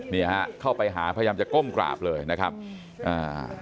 เนี่ยฮะเข้าไปหาพยายามจะก้มกราบเลยนะครับอ่า